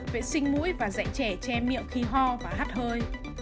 bốn vệ sinh muối và dạy trẻ che miệng khi ho và hát hơi